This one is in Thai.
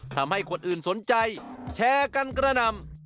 ทำให้คนอื่นสนใจแชร์กันกระหน่ำ